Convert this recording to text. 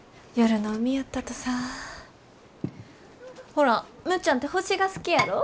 ほらむっちゃんて星が好きやろ？